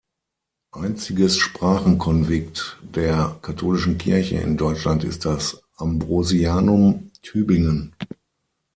Einziges Sprachenkonvikt der katholischen Kirche in Deutschland ist das Ambrosianum Tübingen.